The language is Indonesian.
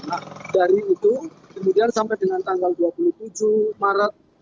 nah dari itu kemudian sampai dengan tanggal dua puluh tujuh maret